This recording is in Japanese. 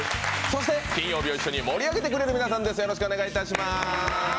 そして金曜日を一緒に盛り上げてくださる皆さんです。